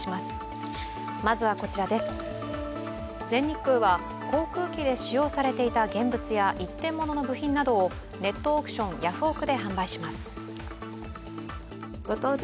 全日空は航空機で使用されていた現物や一点物の部品などをネットオークション、ヤフオク！で販売します。